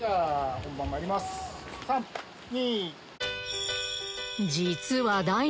本番まいります３・２。